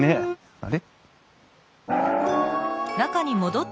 あれ？